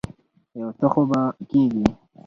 يو څه خو به کېږي.